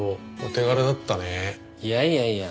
いやいやいや。